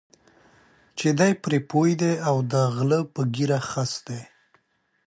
چې دی پرې پوه دی او د غله په ږیره خس دی.